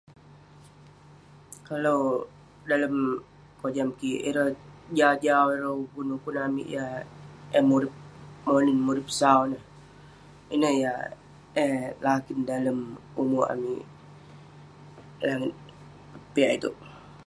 Kalau dalem kojam kik ireh Jah jau ukun-ukun amik yah murip monin [unintelligible] sau ineh, ineh yah eh lakin dalem umek amik keh langit piak ituek.